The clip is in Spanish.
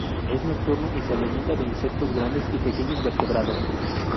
Es nocturno y se alimenta de insectos grandes y pequeños vertebrados.